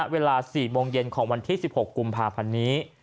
เวลา๔โมงเย็นของวันที่๑๖กุมภาพันธ์นี้